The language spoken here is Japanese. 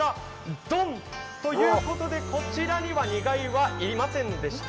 ドンっということで、こちらには煮貝はありませんでした。